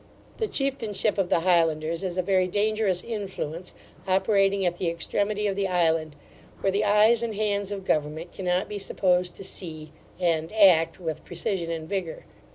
The chieftainship of the Highlanders is a very dangerous influence operating at the extremity of the island, where the eyes and hands of government cannot be supposed to see [and] act with precision and vigour.